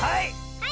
はい！